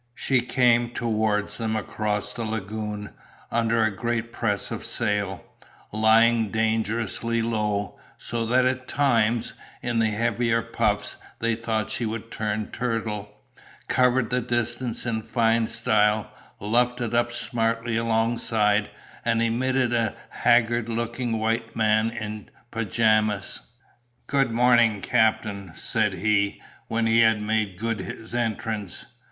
She came towards them across the lagoon under a great press of sail, lying dangerously down, so that at times, in the heavier puffs, they thought she would turn turtle; covered the distance in fine style, luffed up smartly alongside, and emitted a haggard looking white man in pyjamas. "Good mornin', Cap'n," said he, when he had made good his entrance.